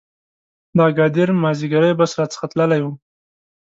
د اګادیر مازیګری بس را څخه تللی و.